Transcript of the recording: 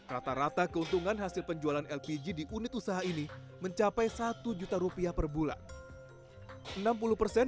rata rata keuntungan hasil penjualan lpg di unit usaha ini mencapai satu juta rupiah per bulan